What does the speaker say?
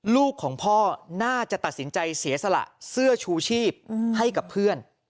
ลูกของพ่อน่าจะตัดสินใจเสียสละเสื้อชูชีพให้กับเพื่อน